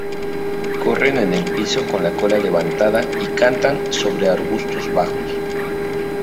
Corren en el piso con la cola levantada y cantan sobre arbustos bajos.